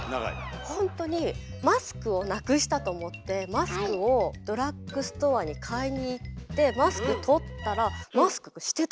ほんとにマスクをなくしたと思ってマスクをドラッグストアに買いに行ってマスク取ったらマスクしてた。